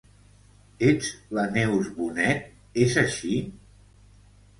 Ets la Neus Bonet, és així?